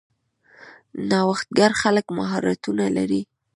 نوښتګر خلک مهارتونه لري.